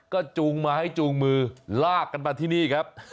ก็จูงมาให้จูงมือลากกันมาที่นี่ครับ